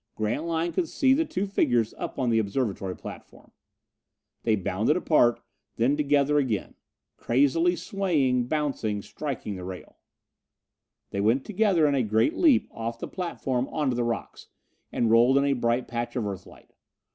Grantline could see the two figures up on the observatory platform. They bounded apart, then together again. Crazily swaying bouncing striking the rail. They went together in a great leap off the platform onto the rocks, and rolled in a bright patch of Earthlight.